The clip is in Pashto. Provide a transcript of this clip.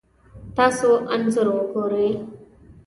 تاسو انځور ګورئ